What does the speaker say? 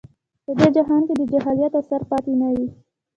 په دې جهان کې د جاهلیت اثر پاتې نه وي.